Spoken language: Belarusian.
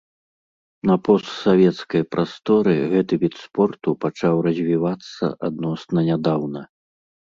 На постсавецкай прасторы гэты від спорту пачаў развівацца адносна нядаўна.